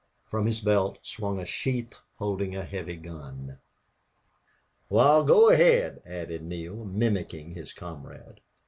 From his belt swung a sheath holding a heavy gun. "Wal, go ahaid," added Neale, mimicking his comrade.